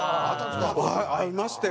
会いましたよ。